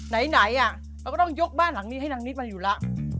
ไหนอ่ะแล้วก็ต้องยกบ้านหลังนี่ให้นางนิสมันอยู่ระ